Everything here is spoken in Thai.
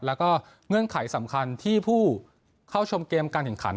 แล้วก็เงื่อนไขสำคัญที่ผู้เข้าชมเกมการแข่งขัน